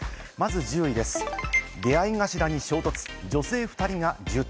１０位です、出合い頭に衝突、女性２人が重体。